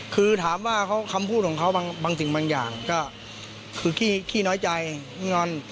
คือถามว่าคำพูดของเขาบางสิ่งบางอย่างก็คือขี้น้อยใจงอน